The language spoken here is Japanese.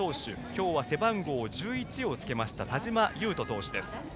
今日は背番号１１をつけました田嶋勇斗投手です。